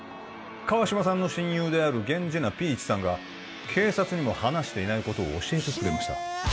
川島さんの親友である源氏名ピーチさんが警察にも話していないことを教えてくれました